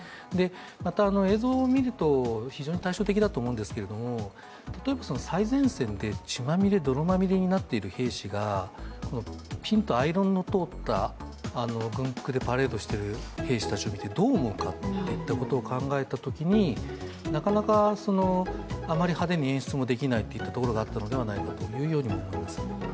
また、映像を見ると非常に対照的だと思うんですけど、戦地の最前線で血まみれ、泥まみれになっている兵士が、ピンとアイロンの通った軍服を着てパレードしている兵士たちを見てどう思うかと考えたときに、あまり派手に演出もデキないというところもあったのではないかと思います。